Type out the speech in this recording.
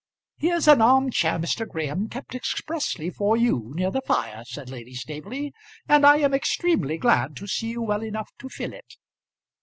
"Here's an arm chair, Mr. Graham, kept expressly for you, near the fire," said Lady Staveley. "And I am extremely glad to see you well enough to fill it."